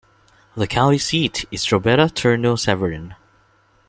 The county seat is Drobeta-Turnu Severin.